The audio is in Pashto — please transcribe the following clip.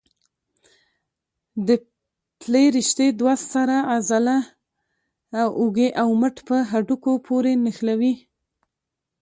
د پلې رشتې دوه سره عضله د اوږې او مټ په هډوکو پورې نښلوي.